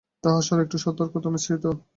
তাহার স্বর একটু সতর্কত মিশ্রিত।